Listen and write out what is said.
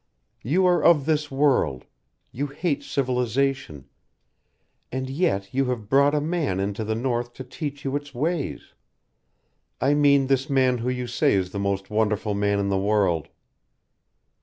"You are of this world you hate civilization and yet you have brought a man into the north to teach you its ways. I mean this man who you say is the most wonderful man in the world."